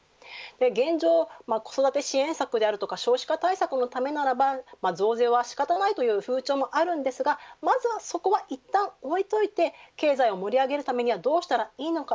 現状、子育て支援策だとか少子化対策のためならば増税は仕方ないという風潮もありますが、まずはそこはいったん置いておいて経済を盛り上げるためにはどうしたらいいのか